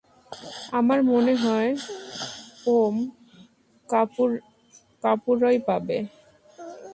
আমার মনে হয় ওম কাপুরই পাবে।